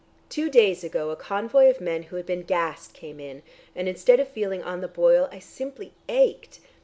Two days ago a convoy of men who had been gassed came in, and instead of feeling on the boil, I simply ached.